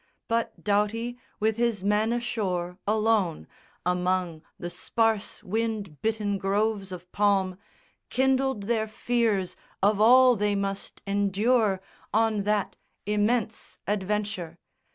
But Doughty with his men ashore, alone, Among the sparse wind bitten groves of palm, Kindled their fears of all they must endure On that immense adventure.